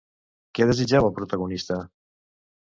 Què desitjava el protagonista?